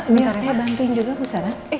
biar saya bantuin juga bu sarah